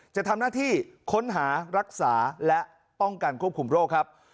จะทำหน้าที่ค้นหารักษาและป้องกันควบคุมโรคครับ